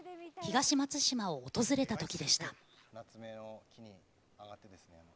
東松島を訪れたときでした。